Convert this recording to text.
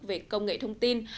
về công nghệ thông tin